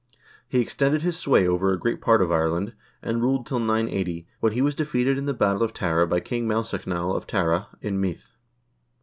He extended his sway over a great part of Ireland, and ruled till 980, when he was defeated in the battle of Tara by King Maelsechnaill of Tara, in Meath.